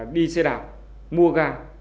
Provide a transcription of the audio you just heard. đi xe đạp mua gas